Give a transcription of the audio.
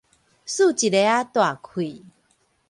欶一下仔大氣